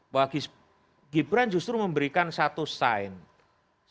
bahwa gibran justru memberikan satu science